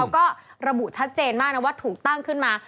ก็ระบุชัดเจนมากนะว่าถูกตั้งขึ้นมา